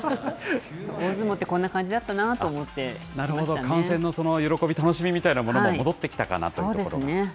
大相撲って、こんな感じだったななるほど、観戦の喜び、楽しみみたいなものも戻ってきたかなというところ。